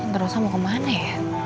terus kamu kemana ya